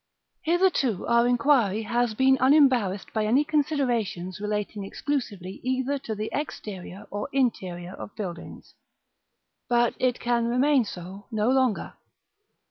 § I. Hitherto our enquiry has been unembarrassed by any considerations relating exclusively either to the exterior or interior of buildings. But it can remain so no longer.